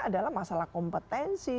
adalah masalah kompetensi